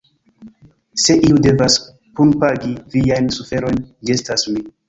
Se iu devas punpagi viajn suferojn, ĝi estas mi.